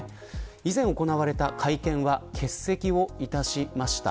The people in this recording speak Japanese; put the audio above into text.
以前行われた会見は欠席しました。